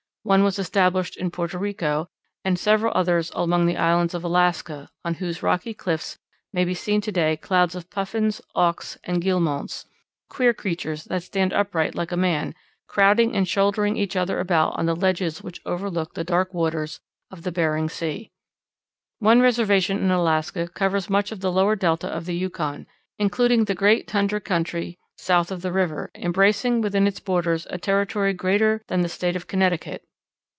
One was established in Porto Rico, and several others among the islands of Alaska, on whose rocky cliffs may be seen to day clouds of Puffins, Auks, and Guillemots queer creatures that stand upright like a man crowding and shouldering each other about on the ledges which overlook the dark waters of Bering Sea. One reservation in Alaska covers much of the lower delta of the Yukon, including the great tundra country south of the river, embracing within its borders a territory greater than the State of Connecticut.